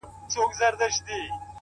• نه یې ږغ سوای تر شپانه ور رسولای ,